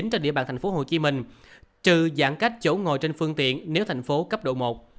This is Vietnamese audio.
trên địa bàn tp hcm trừ giãn cách chỗ ngồi trên phương tiện nếu tp hcm cấp độ một